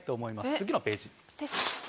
次のページ。